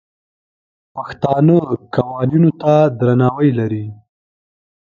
پښتانه قوانینو ته درناوی لري.